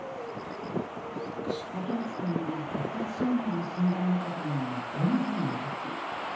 竹内さんが発達障害の診断を受けたのは４歳の時。